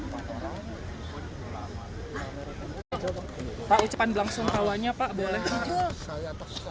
pak ucapan langsung kawannya pak boleh